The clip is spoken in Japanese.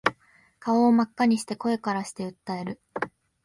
顔真っ赤にして声からして訴える